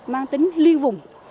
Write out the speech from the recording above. mang tính liên vùng